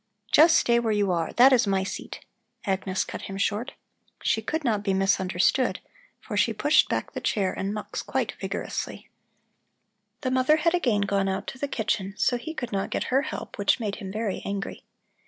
"Just stay where you are! That is my seat," Agnes cut him short. She could not be misunderstood, for she pushed back the chair and Mux quite vigorously. The mother had again gone out to the kitchen, so he could not get her help, which made him very angry.